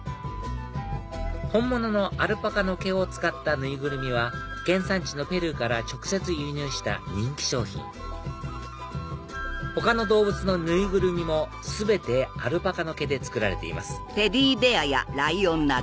本物のアルパカの毛を使った縫いぐるみは原産地のペルーから直接輸入した人気商品他の動物の縫いぐるみも全てアルパカの毛で作られています